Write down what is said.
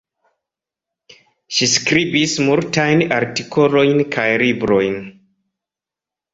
Ŝi skribis multajn artikolojn kaj librojn.